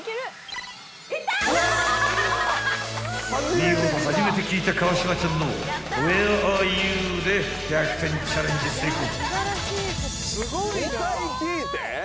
［見事初めて聴いた川島ちゃんの『ｗｈｅｒｅａｒｅｙｏｕ』で１００点チャレンジ成功］